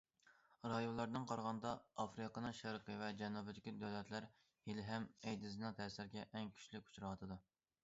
رايونلاردىن قارىغاندا، ئافرىقىنىڭ شەرقىي ۋە جەنۇبىدىكى دۆلەتلەر ھېلىھەم ئەيدىزنىڭ تەسىرىگە ئەڭ كۈچلۈك ئۇچراۋاتىدۇ.